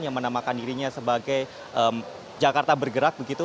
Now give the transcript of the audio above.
yang menamakan dirinya sebagai jakarta bergerak begitu